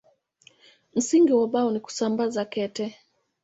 Msingi wa Bao ni kusambaza kete.